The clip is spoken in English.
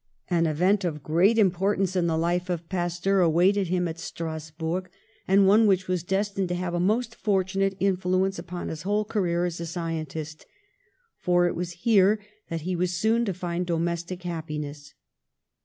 An event of great importance in the life of Pasteur awaited him at Strasburg, and one which was destined to have a most fortunate in fluence upon his vv'hole career as a scientist. For it was here that he was soon to find do mestic happiness.